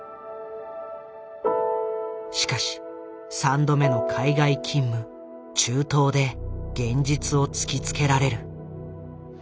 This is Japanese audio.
しかし３度目の海外勤務中東で現実を突きつけられる。